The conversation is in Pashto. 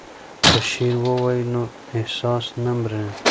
که شعر ووایو نو احساس نه مري.